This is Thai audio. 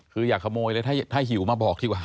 คืออย่าขโมยเลยถ้าหิวมาบอกดีกว่า